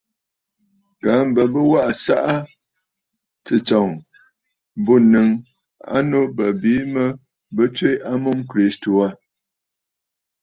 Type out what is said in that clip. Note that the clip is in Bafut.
Kaa mbə bɨ waꞌǎ ɨsaꞌa tsɨ̂tsɔ̀ŋ bû ǹnɨŋ a nu bə̀ bìi mə bɨ tswe a mum Kristo Yesu aà.